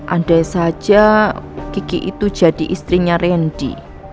andai saja kiki itu jadi istrinya randy